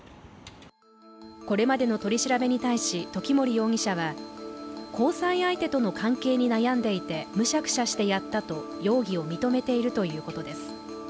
これまでの取り調べに対し、時森容疑者は交際相手との関係に悩んでいてむしゃくしゃしてやったと容疑を認めているということです